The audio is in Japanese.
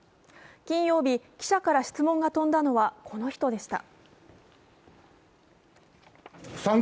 金曜日、記者から質問が飛んだのはこの人でした。